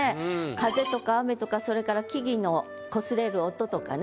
風とか雨とかそれから木々のこすれる音とかね。